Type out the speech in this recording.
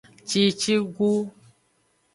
Cicigu.